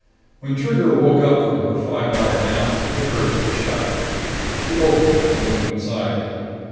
When Trigger woke up from her five hour nap, the purse was shut. She opened it and looked inside.